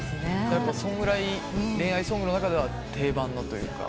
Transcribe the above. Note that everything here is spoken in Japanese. そんぐらい恋愛ソングの中では定番というか。